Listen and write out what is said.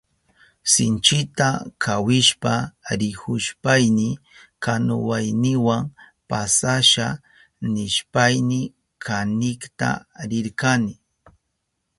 Sinchita kawishpa rihushpayni kanuwayniwa pasasha nishpayni kanikta rirkani.